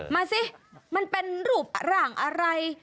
มาสิมันเป็นรูปร่างอะไร